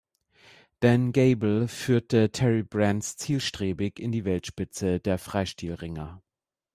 Dan Gable führte Terry Brands zielstrebig in die Weltspitze der Freistilringer.